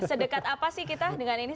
sedekat apa sih kita dengan ini